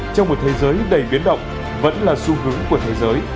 trong một thế giới đầy biến động vẫn là xu hướng của thế giới